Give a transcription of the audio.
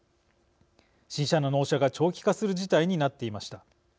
新車の納車が長期化する事態になっていました。